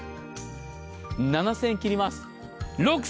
７０００円切ります。